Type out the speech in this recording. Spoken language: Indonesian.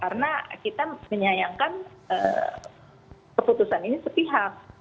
karena kita menyayangkan keputusan ini setihak